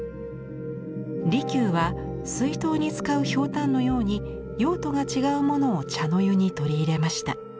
利休は水筒に使うヒョウタンのように用途が違うものを茶の湯に取り入れました。